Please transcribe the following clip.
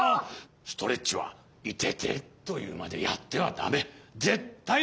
ストレッチはイテテというまでやってはだめ！